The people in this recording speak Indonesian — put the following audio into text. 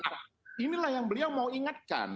nah inilah yang beliau mau ingatkan